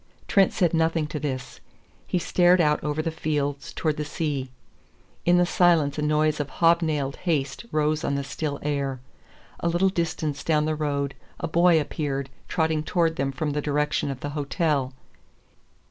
Trent said nothing to this. He stared out over the fields towards the sea. In the silence a noise of hobnailed haste rose on the still air. A little distance down the road a boy appeared trotting towards them from the direction of the hotel.